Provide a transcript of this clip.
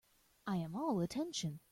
I am all attention.